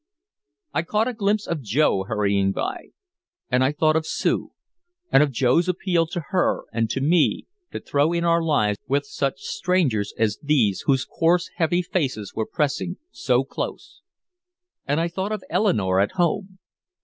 I caught a glimpse of Joe hurrying by. And I thought of Sue, and of Joe's appeal to her and to me to throw in our lives with such strangers as these whose coarse heavy faces were pressing so close. And I thought of Eleanore at home.